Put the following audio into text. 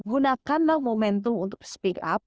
gunakanlah momentum untuk speak up